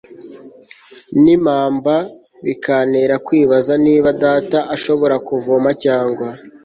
n'impamba. bikantera kwibaza niba data ashobora kuvoma, cyangwa